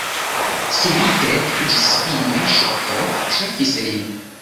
Subite ĝisspina ŝoko trafis lin.